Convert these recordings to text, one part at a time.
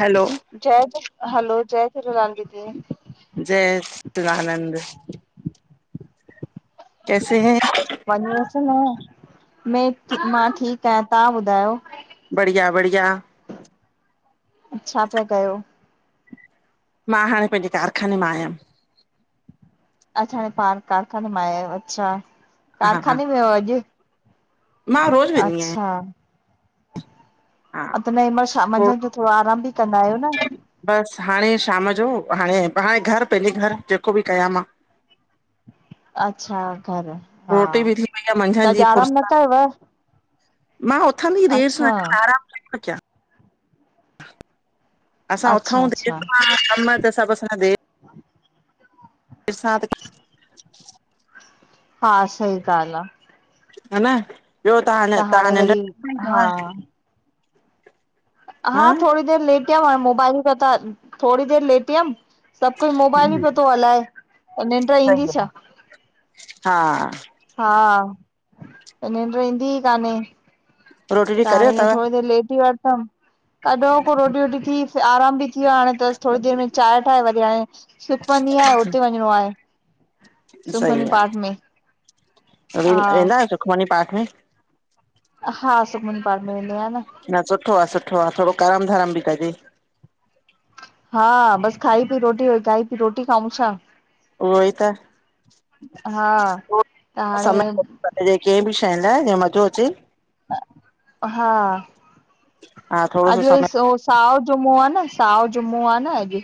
Hello जय hello जय झूलेलाल दीदी, जय सचदानंद कैसे है वञेसि न, में मां ठीकु आहियां तव्हां ॿुधायो? बढ़िया-बढ़िया छा प्या कयो? मां हाणे पंहिंजे कारखाने मां आयम असा हाड़े पाड़ कारखाने मां आयायो, अच्छा हा हा कारखाने में हो अॼु? मां रोज़ वेंदी आहियां। हा ह त न महिल शाम थोरो मंझंदि जो थोड़ो आरामु बि कंदा आहियो न। बसि हाणे शाम जो हाणे, हाणे घरु पेजे घरु जेको बि कया मां। अच्छा घरु हा, रोटी बि थी वई आहे त मंझंदि अॼु जी आराम न फुर्सत कयोव? मां उथदी देर सां आया आराम कहिमल क्या। असां अच्छा ऊथंउ देर अच्छा सा कम त सभु असांजा दें [inaudible] [unintelligible] हा सही ॻाल्हि आ। ह न ॿियो तां ह न तव्हां हाणे वरी निॾ हा हा थोड़ी देर लेट यम हाणे मोबाइल क ता थोड़ी देर लेट यम सभु कोई मोबाइल ही पयो तो हलाए, त निंॾ ईंदी छा? हा हा त निंॾ ईंदी ई कान्हे। रोटी वोटी त करे हाणे इअं अथव थोड़ी देर लेटी वठदम। कॾो को रोटी वोटी थी आराम बि थी वियो आ हाणे त थोड़ी देरि में चांये ठाहे वरी हाणे सुखमनी आ उते वञिणो आहे। सही सुखमनी आ पाठ में व हा वेंदा आहियो सुखमणी पाठ में? हा सुखमनी पाठ मे वेंदो आ न। न सुठो आ सुठो आ थोड़ो करम धरम बि कंजे। हा, बस खाई पी रोटी खाई पी रोटी खाऊं छा? उहो ई त हा त हाणे पर कंहिं बि शइ लाइ जीअं मज़ो अचे हा हा थोड़ो सो अ समय [inaudible] साओ जुमो आ न साओ जुमो आ न अॼु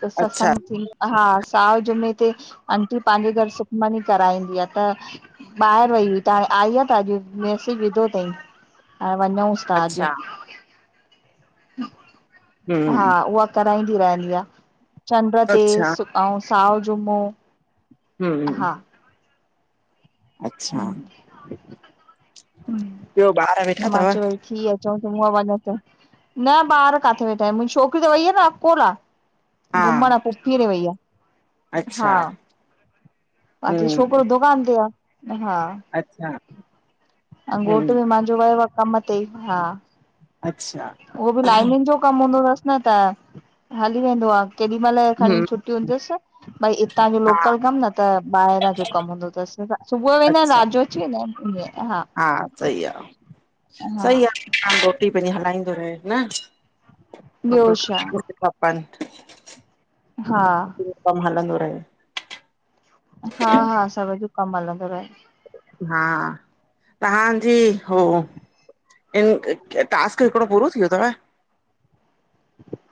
त अच्छा सतसंग हा, साए जुमे ते आंटी पंहिंजे घर सुखमनी कराईंदी आ त ॿाहिरि वई हुई त हाणे आई आ त अॼु मैसेज विधो थई त वञूंसि ताज अच्छा [inaudible] हा, हम्म उहा कराईंदी रहंदी आ चंड ते अच्छा ऐं साओ जुमो हमम हा अच्छा, ॿियो ॿार वेठा त मां अथव? चयो वरी थी अचऊं त हूअ वञो त न ॿार काथे वेठान, मुंहिंजी छोकरी त वई आ न अकोला हा घुमण, पूफीअ ॾे वईया। हा अच्छा बाक़ी हम्म छोकिरो दुकान ते आ, हा अच्छा अं घोट हम्म बी मुंहिंजो वियो आ कम ते हा, अच्छा उहो बि लाइनिंन जो कमु हूंदो अथसि न त हली वेंदो आहे केॾी महिल खणी हम्म छुट्टी हूंदी तसि भई हितां जो लोकल कमु न त ॿाहिरां जो कमु हूंदो तस सुबुह वेंदान अच्छा राति जो अची वेंदान हा हा सही आ, हा सही आ माण्हू रोटी पंहिंजी हलाईंदो रहे न ॿियो उ छा क थपनि [inaudible] हा कमु हलंदो रहे हा हा, सभ जो कमु हलंदो रहे हा, तव्हांजी हो इन टास्क हिकिड़ो पूरो थी वियो अथव?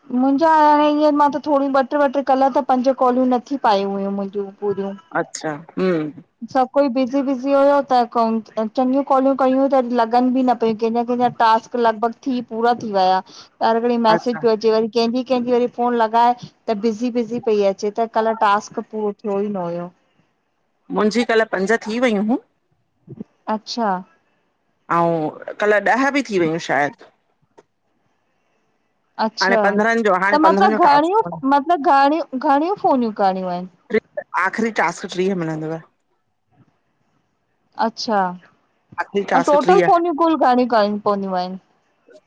हा मुंहिंजा हाणे हअं मां त थोरी ॿ टे ॿ टे कल्ह त पंज कौलियूं नथी पायूं हुयूं मुंहिंजूं पूरियूं अचछा हम सभु कोई बिज़ी बिज़ी हुयो त चङियूं कॉलियूं कयूं त लॻनि बि न पियूं कंहिंजा कंहिंजा टास्क लॻभॻि थी पूरा थी विया त हर घड़ी मैसेज अच्छा पियो अचे वरी कंहिंजी कंहिंजी वरी फोन लॻाए त बिज़ी बिज़ी पई अचे त कल्ह टास्क पूरो थियो ई न हुयो। मुंहिंजी कल्ह पंज थी वयूं हूँ अच्छा ऐं कल्ह ॾह बि थी वयूं शायदि हाणे अच्छा पंद्रहनि जो हाणे त पंद्रहनि जो मतलबु घणियूं टास्क मतलबु घणिय घणियूं फ़ोनियूं करणियूं आहिनि? टीह आख़िरी टास्क टीह मिलंदव। अच्छा आख़िरी ऐं टास्क टोटल टीह फोनियूं कुल घणियूं करिणयूं पवदियूं आहिनि?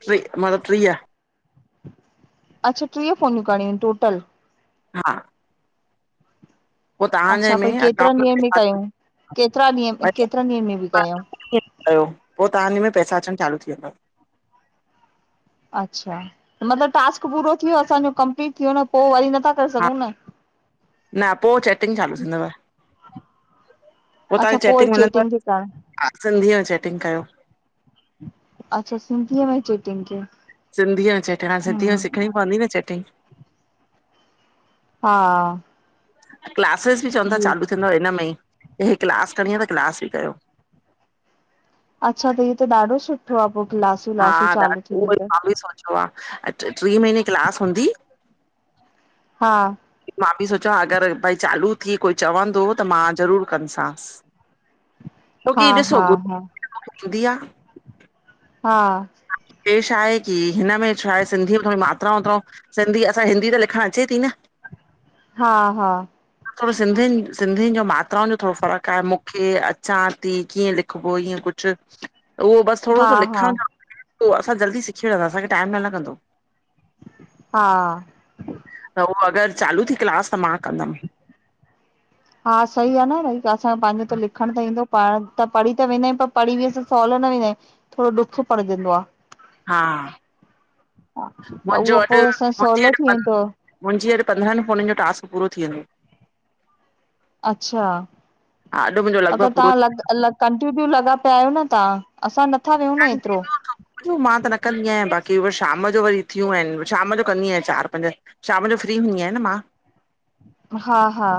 टी मतिलबु टीह अच्छा टीह फोनियूं करणी आहिनि टोटल। हा पोइ तव्हांजे अच्छा में भई केतिरनि अकाउंट ॾींहंनि में कयूं केतिरा ॾींहं में केतिरनि ॾींहंनि में बि आ कयूं पो तव्हांजे में पैसा अचण चालू थी वेंदव। अच्छा मतलब टास्क पूरो थी वियो असांजो कंप्लीट थियो न पो वरी नथा करे हा सघूं न। न पो चैटिंग चालू थींदव। पो अच्छा तव्हांखे पोइ चैटिंग मिलंदव चेटिंग खे कर सिंधीअ में चैटिंग कयो। अच्छा सिंधी में चैट्टिगं क सिंधीअ जो चटण हा सिंधीअ सिखणी पवी न चटी। हा क्लासिस बि चवंन था ॿियो चालू थींदव हिन में ई इी क्लास खणी त क्लास बि कयो। अच्छा त इहो त ॾाढो सुठो आ, पो क्लासूं वलासूं चालू थींदियूं त। [unintelligible] ट्री महीने क्लास हूंदी हा मां बि सोचियो अगर भई चालू थी कोई चवंदो त मां ज़रूर कंदसांस। [inaudible] छो की ॾिसो हा [unintelligible] हा त मुखे ईंदी आ हा पेश आहे की हिन में छा आहे सिंधी में थोरी मात्रा वात्रां सिंधी असां हिंदी त लिखण अचे थी न हा हा थोरो सिंधियुन सिंधियुन जो मात्राउन जो थोरो फ़र्क आहे मुखे अचां थी कीअं लिखबो ईअं कुछ त उहो बस थोरो हा सो हा लिखण असां जल्दी सिखी वठदा असांखे टाइम न लॻंदो। हा त उहो अगर चालू थी क्लास त मां कंदम हा सही आ न भई असां पंहिंजो त लिखण त ईंदो पढ़ त पढ़ी त वेंदा आहियूं पर पढ़ी बि असां सौहलो न वेंदा आहियूं। थोरो ॾुखो पढजण दो आ। हा ह त उहो पो असां सौहलो थी वेंदो मुंजी अॼ पंड्रहन फोनन जो टास्क पूरो थी वेंदो। अच्छा हा अॼु मुंहिंजो लॻभॻि अगर पूरो थी तव्हां ल कंटीन्यू लॻा पया आयो न तव्हां? असां नथा वेहूं न हेतरो। सुबुह मां त न कंदी बायां बाक़ी व शाम जो वरी थियूं हिन शाम जो कंदी आहियां चार पंज। शाम जो फ्री हूंदी आयां न मां हा-हा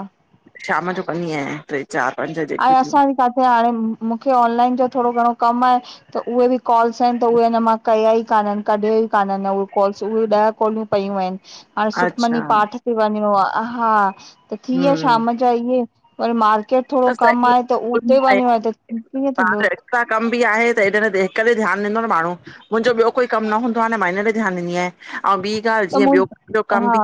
शाम जो कंदी आयां ट्रे चार, पंज ऐं जेकियूं थियूं असां बि काथे हाणे मुखे ऑनलाइन जो थोरो घणो कम आहे। त उहे बि कॉल्स आहिन त उहे अन मां कया ई कानन कॾहिं ई कानन उहे उहे ॾह कॉलियूं पयूं आहिन हाणे सुखमनी अच्छा पाठ ते वञणो आ ल, हा त थी विया हम्म शाम जा इहे वरी मार्केट थोरो त कम सही आहे त उते वञणो आहे त कीअं थींदो तव्हांजो कम बि आहे त हेॾ हिक ते ध्यान ॾींदो न माण्हू। मुंजो ॿियो कोई कम न हूंदो आ न मां हिन ते ध्यान ॾींदी आयां अऊं ॿी ॻाल्ह त जीअं मूं ॿियो कम हा बि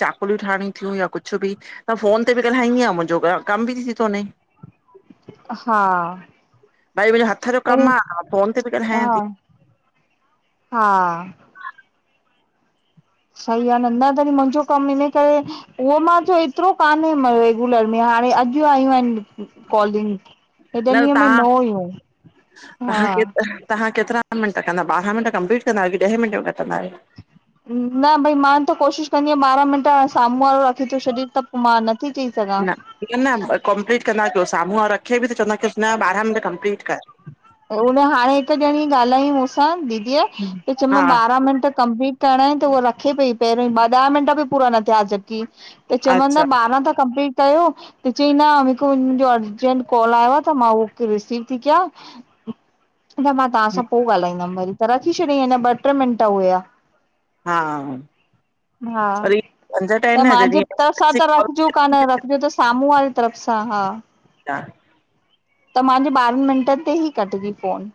चाकलियूं ठाहिणी थियूं या कुछ बि त फ़ोन ते बि ॻाल्हाईंदी आया मुंजो कम बि थी थो वञे। हा भाई मुंजो हथ जो कम तॾहिं आ, मां फोन ते बि हा ॻालाया थी। हा सही आ, न न वरी मुंजो कम हिन करे उहो मां चयो एतरो कान्हे रेगुलर में हाणे अॼ आयूं हिन कॉलिंग हेॾन त ॾींहन में तव्हां न हुयूं, हा। तव्हां के तव्हां केतिरा? ॾह मिंट कंदायो, ॿारहां मिंट कंप्लीट कंदायो कि ॾहें मिंटे यो कंदायो? न भई मां त कोशिश कंदीयां ॿारहां मिंट साम्हूं वारो रखी तो छॾे त पो मां नथी चई सघां न इअं न कंप्लीट कंदा कयो, साम्हूं वारो रखे बि त चवंदा कयोस न ॿारहां मिंट कंपलीट कर। हुन हाणे हिकु ॼणी ॻाल्हायईं मूंसां दीदीअ त हा चयोमां बारहां मिंट कंप्लीट करणा ईनि त उह रखे पई पहिरियों ई ॿ ॾह मिंट बि पूरा न थियास जबकि, त चयमां न अच्छा बारहां त कंप्लीट कयो, त चईं न मूंखे मुंहिंजो अर्जेट कॉल आयो आ त मां उहो रिसीव ती कियां। न मां तव्हांसां पो ॻाल्हाईंदमि वरी त रखी छॾियईं, अञा ॿ ट्रे मिंट हुया हा हा, पर इहे झंझट आहिनि त न जॾहिं मांजे तरफ़ सां इमरजेंसी त कॉल हूंदी रखजो कान रखजो त साम्हूं वारे तरफ सां, हा। हा [inaudible] त मांजी ॿारहनि मिंटनि ते ई कटजी फोन।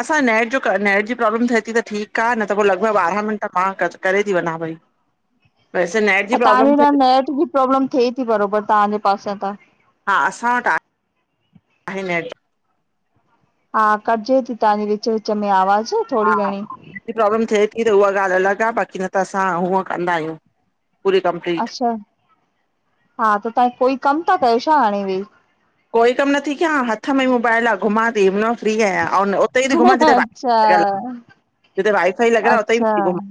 असां नेट जो क नेट जी प्रॉब्लम थे ती त ठीकु आ, न त पो लॻभॻि ॿारहं मिंट मां क करे ती वञा पई। हा [inaudible] वैसे नेट जी ऐं तव्हांजे प्रॉब्लम लाइन थिए नेट जी प्रोब्लम थे ती बरोबरि तव्हांजे पासे त हा, असां वटि आहे नेट हा कटजे ती तव्हांजी विच -विच में आवाज़ु, हा, प्रॉब्लम थे ती त उहा ॻाल्हि अलॻि आ, बाक़ी न त असां हूअं कंदा आहियूं। पूरी कंप्लीट अच्छा, हा त तां कोई कमु ता कयो छा हाणे वेही? कोई कम नथी कियां हथ में ई मोबाइल आ, घुमां ती ंहिनमहिल फ्री आहियां अउं उतेई ती घुमां जिते अच्छा वाईफाई लॻल आ, जिते वाई फाई लॻिल आ उतेई अच्छा पई ती घुमां।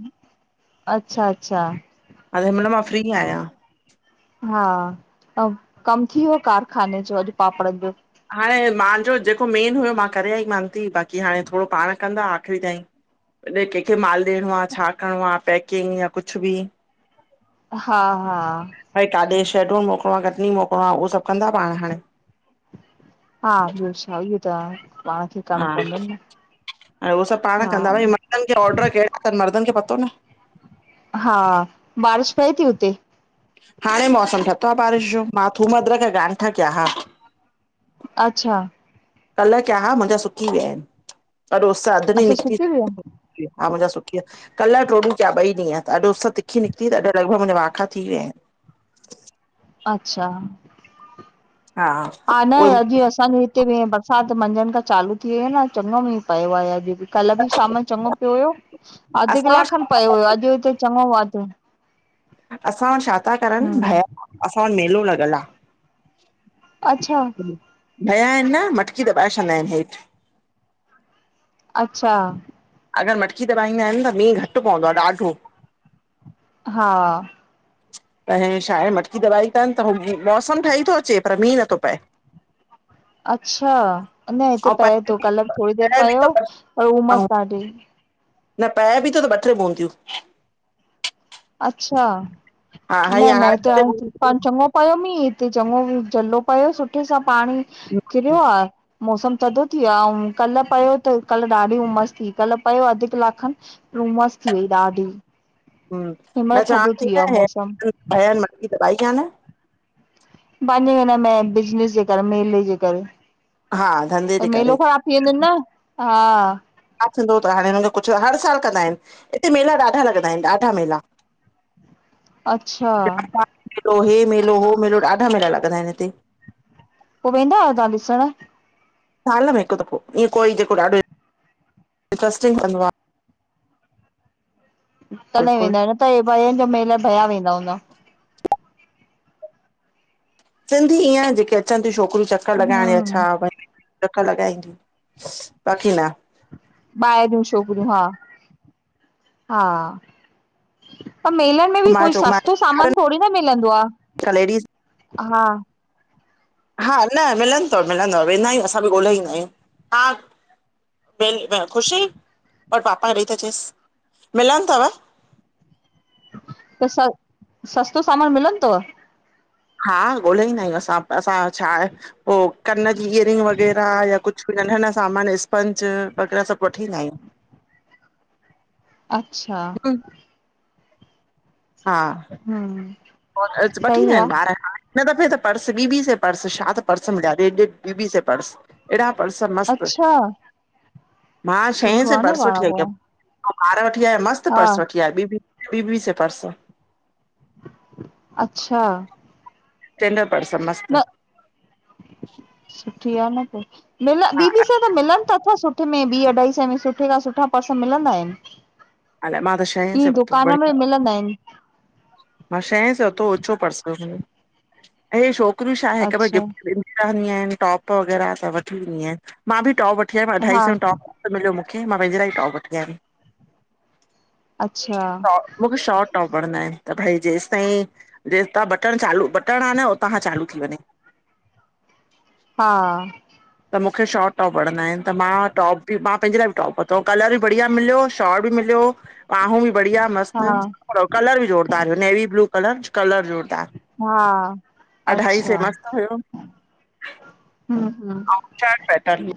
अच्छा -अच्छा। अर हिनमल मां फ्री आहियां। हा, अउं कम थी वियो कारखाने जो, अॼु पापड़नि जो? हाणे मांजो जेको मेन हुयो मां करे आई मांन ती, बाक़ी हाणे थोड़ो पाण कंदा आख़िरी ताईं। कॾें कहिंखे माल ॾियणो आ, छा करिणो आ पैकिंग या कुछ बि? हा -हा। भाई काॾे शेडोल मोकिलणो आ, कटनी मोकिलणो आ उ सभु कंदा पाण हाणे। हा, बियो छा इयो त आ। हा, ऐं हो सभु पाण हा कंदा भई मर्दनि खे ऑर्डर कहिड़ा तनि मर्दनि खे पतो न, हा, बारिश पए ती हुते? हाणे मौसम ठतो आ बारिश जो, मां थूम अदरक या गांठ्या कया हा। अच्छा। कल्ह किया हा मुंहिंजा सुकी विया आहिनि, पर उस अध ॾीहं अच्छा निकती। सुकी विया हा मुंजा सुकी या, कल्ह, ट्रोॾयूं किया ॿई ॾीहं, त अॾ उस तिखी निकिती त लॻभॻि मुंजा वाहखा थी वियाइनि। अच्छा। हा। हा न उहे अॼु असांजे हिते बि बरसाति मंझंदि खां चालू थी वई आ न चङो मींह पियो आ अॼु बि। कल्ह बि शाम चङो पियो हुयो अधु असां किलाकु खनि वटि पियो हुयो अॼु हुते चङो वध असां वटि छा ता करनि, हम्म भया असां वटि मेलो लॻल आ। अच्छा। भया आहिन न, मटकी दॿाए छॾंदा आहिन हेठ। अच्छा। अगर मटकी दबाईंदा आहिन त मींह घट पवंदो आ ॾाढो। हा। त हे छा आहे मटकी दबाई तन त हू मौसम ठीई तो अचे पर मींह नथो पए। अच्छा, न हिते पए तो कल थोड़ी देर बि पयो थो पर उमस ऐं ॾाॾी न पए बि तो त ॿ ट्रे बूंदियूं। अच्छा, हा न हई न हीते ॿ टे हाणे बूंदियूं पं चंगो पयो मीह हिते चङो जझलो पयो सुठे सां पाणी किरियो आ। मौसम थदो थी वयो आ, अउ कल पयो त कल ॾाढी उमस थी कल पयो अध किलाक खन। रूमस थी वई ॾाढी। हिनमहिल थधो थी वियो आहे मौसम [unintelligible] भयन मटकी दबाई काने पांजे हिनमे बिजनस जे करे मेल जे करे। हा धंधे त जे करे मेलो ख़राब थी वेंदून न हा। छा थींदो त हाणे हुनखे कुझ हर साल कंदा आहिन हिते मेला ॾाढा लॻंदा आहिन ॾाढा मेला। [inaudible] [unintelligible] हे मेलो, हो मेलो, ॾाढा मेला लॻंदा आहिन हिते। पो वेंदा आहयो ताहां ॾिसण? साल में हिकु दफ़ो, ईअं कोई जेको ॾाढो इंट्रस्टिंग कंदो आ। तॾहिं बिल्कुलु वेंदा आयूं न त हे भयन जो मेला भया वेंदा हूंदा। सिंधी ईअं जेके अचन तीयूं छोकरियूं चकर लॻाइण या छा हम्म रख लॻाइंदी बाक़ी न। ॿाहिरियूं छोकरियूं, हा, हा, पर मेलन में बि घुमाए कोई चोमाए सस्तो सामान थोड़ी न मिलंदो आ लेडीस हा। हा न मिलंदो तव मिलंदव वेंदा आयूं असां बि ॻोल्हे ईंदा आयूं हा। ब ख़ुशी और पापा खे ॾेई त अचेस मिलन तव। त स सस्तो सामान मिलंदो तव? हा ॻोल्हे ईंदा आयूं असां, असां छा आहे हो कन जी इयरिंग वग़ैरह या कुझ नंढा नंढा सामान स्पंज वग़ैरह सभ वठी ईंदा आयूं। अच्छा। हूं। हा। हम्म। वठी ईंदा सही आ, आहिन ॿार खा। हिन दफ़े त पर्स बी बी सै पर्स छा त पर्स मिला डेढ़ डेढ़ बी बी सै पर्स। एॾा पर्स मस्त, अच्छा मां छह सुठो सै आ न पर्स पाण वठी आई पो, हुयम। अउ ॿार वठी आया मस्त हा पर्स वठी आया बी बी बी बी सै पर्स। अच्छा। स्टैंडर्ड पर्स मस्त। न सुठी आ न पो, मिल हा बी बी सै मिलन त अथव सुठे में बी अढाई सै में सुठे खां सुठा पर्स मिलंदा आहिन। अलाए मां त छहें ई सै वतो दुकान में बढ़िया मिलंदा आहिन। मां छै सै वतो हो उच्चो पर्स हुयो, हे छोकरियूं छा आहे हिक अच्छा गिफ्ट ॾ रहंदी आईन टॉप वग़ैरह त वठी ईदी आहियां मां बि टॉप वठी आयम हा अढाई सै जो टॉप मिलियो मूंखे मां पंहिंजे लाइ ई टॉप वठी आयमि। अच्छा, मूंखे शॉट टॉपर न आहिनि त भई जेसि ताईं जेसितां बटण चालू बटण आहे न उतां खां चालू थी वञे। हा, त मूंखे शॉट टॉप वणंदा आहिनि त मां टॉप बि मां पंहिंजे लाइ बि टॉप वरितो कलर बि बढ़िया मिलियो शॉट बि मिलियो। बाहूं बि ॿढियां मस्त हा अउ कलर बि जो़रदार हुयो नेवी ब्लू कलर कलर ज़ोरदार। हा, अच्छा हुयो ह ह छ पैंतालिय